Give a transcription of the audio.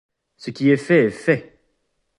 Ce qui est fait est fait !